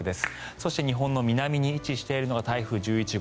そして日本の南に位置しているの台風１１号。